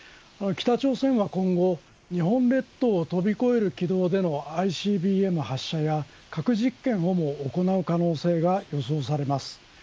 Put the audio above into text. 北朝鮮は今後、日本列島を飛び越える軌道でのＩＣＢＭ発射や核実験をも行う可能性が予想されます。